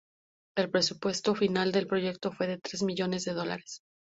El presupuesto final del proyecto fue de tres millones de dólares.